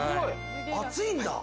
熱いんだ。